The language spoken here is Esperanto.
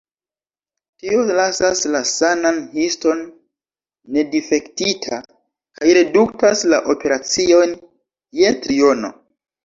Tio lasas la sanan histon nedifektita kaj reduktas la operaciojn je triono.